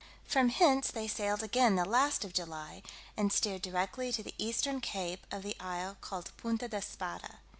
From hence they sailed again the last of July, and steered directly to the eastern cape of the isle called Punta d'Espada.